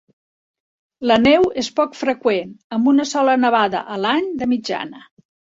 La neu és poc freqüent, amb una sola nevada a l'any, de mitjana.